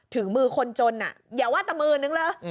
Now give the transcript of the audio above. ถึงมือคนจนอย่าว่าแต่มือนึงเลย